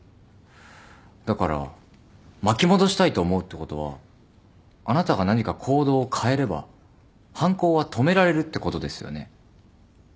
だから巻き戻したいと思うってことはあなたが何か行動を変えれば犯行は止められるってことですよね？